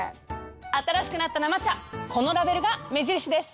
新しくなった生茶このラベルが目印です！